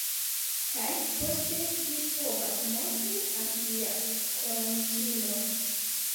Kaj poste vi povas montri al via koramikino.